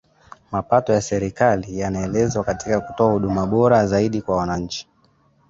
Mapato ya serikali yanaelekezwa katika kutoa huduma bora zaidi kwa wananchi